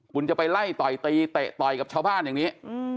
คุณจะไปไล่ต่อยตีเตะต่อยกับชาวบ้านอย่างนี้